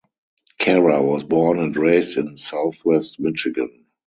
Carra was born and raised in Southwest Michigan.